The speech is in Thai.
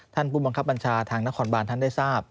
ท่านผู้บังคับบัญชาทางนครบานท่านได้ทราบ